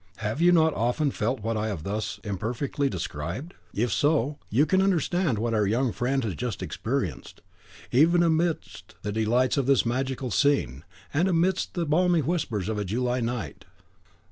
Have you not often felt what I have thus imperfectly described? if so, you can understand what our young friend has just experienced, even amidst the delights of this magical scene, and amidst the balmy whispers of a July night."